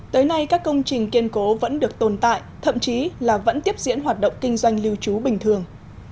tới nay các công trình kiên cố vẫn được tồn tại thậm chí là vẫn tiếp diễn hoạt động kinh doanh lưu trú bình thường